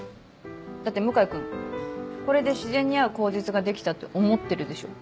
だって向井君これで自然に会う口実ができたって思ってるでしょ。